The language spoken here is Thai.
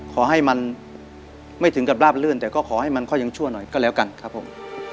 ขอให้มันไม่ถึงกับราบลื่นแต่ก็ขอให้มันค่อยยังชั่วหน่อยก็แล้วกันครับผม